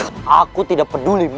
kau tidak ked models